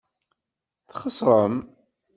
Txeṣrem.